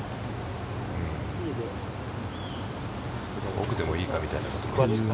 奥でもいいかみたいなことを。